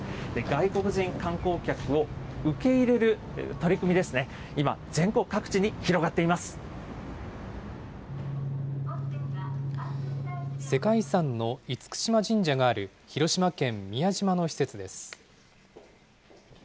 外国人観光客を受け入れる取り組みですね、今、全国各地に広がっ世界遺産の厳島神社がある広島県宮島の施設です。